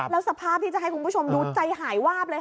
แล้วสภาพที่จะให้คุณผู้ชมดูใจหายวาบเลยค่ะ